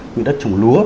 quỹ đất trùng lúa